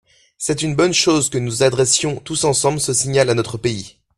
C’est une bonne chose que nous adressions tous ensemble ce signal à notre pays.